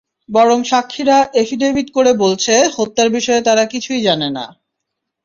বরং সাক্ষীরা এফিডেভিট করে বলছে হত্যার বিষয়ে তারা কিছুই জানে না।